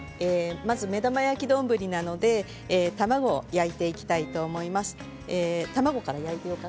まず目玉焼き丼なので卵を焼いていきたいと思います。